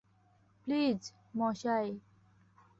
Please, মশাই।